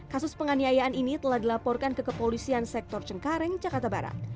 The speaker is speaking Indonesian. kasus penganiayaan ini telah dilaporkan ke kepolisian sektor cengkareng jakarta barat